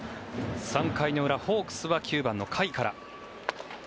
３回の裏ホークスは９番の甲斐から。